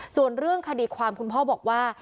ส่วนเรื่องคดีความคุณพ่อบอกว่า